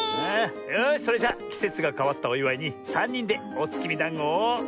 よしそれじゃきせつがかわったおいわいにさんにんでおつきみだんごを。